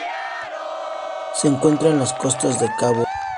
Se encuentra en las costas de Cabo Verde.